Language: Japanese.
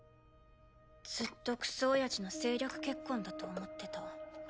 ずっとクソおやじの政略結婚だと思ってた。